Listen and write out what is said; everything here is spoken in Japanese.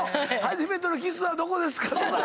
初めてのキスはどこですかとかやろ？